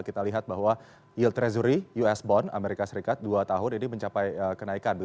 kita lihat bahwa yield treasury us bond amerika serikat dua tahun ini mencapai kenaikan